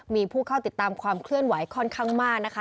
มีผู้เข้าติดตามความเคลื่อนไหวค่อนข้างมากนะคะ